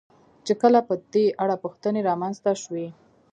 چې کله په دې اړه پوښتنې را منځته شوې.